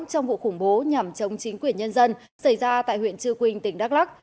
trong vụ khủng bố nhằm chống chính quyền nhân dân xảy ra tại huyện trư quynh tỉnh đắk lắc